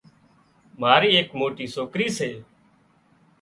ماري ايڪ مجوٽي سوڪرِي سي